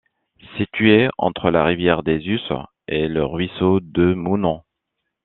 Situé entre la rivière des Usses et le ruisseau de Mounant.